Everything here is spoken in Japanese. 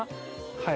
はい。